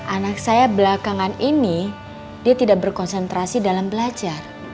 anak saya belakangan ini dia tidak berkonsentrasi dalam belajar